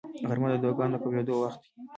غرمه د دعاګانو د قبلېدو وخت وي